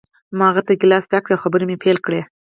ما هغه ته ګیلاس ډک کړ او خبرې مې پیل کړې